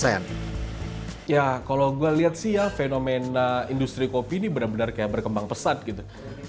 ya kalau gue lihat sih ya fenomena industri kopi ini benar benar kayak berkembang pesat gitu